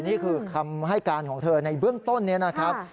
นี่คือคำให้การของเธอในเบื้องต้นนี้นะครับ